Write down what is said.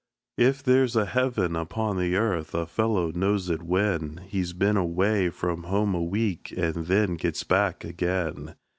If there's a heaven upon the earth, a fellow knows it when He's been away from home a week, and then gets back again.